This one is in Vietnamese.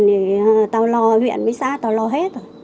thì tao lo huyện với xã tao lo hết